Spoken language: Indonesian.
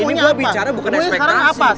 ini gua bicara bukan ekspektasi